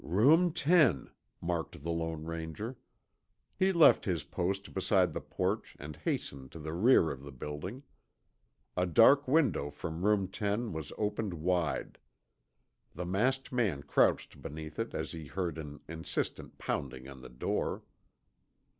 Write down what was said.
"Room ten," marked the Lone Ranger. He left his post beside the porch and hastened to the rear of the building. A dark window from room ten was opened wide. The masked man crouched beneath it as he heard an insistent pounding on the door.